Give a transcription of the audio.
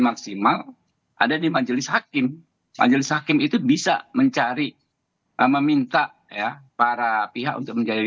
maksimal ada di majelis hakim majelis hakim itu bisa mencari meminta ya para pihak untuk menjalani